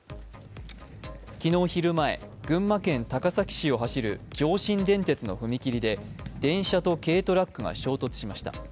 昨日昼前、群馬県高崎市を走る上信電鉄の踏切で電車と軽トラックが衝突しました。